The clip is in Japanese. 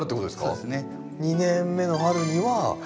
そうですね。